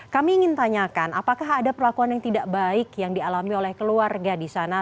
kami ingin tanyakan apakah ada perlakuan yang tidak baik yang dialami oleh keluarga di sana